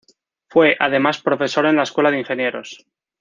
Fue, además, profesor en la Escuela de Ingenieros.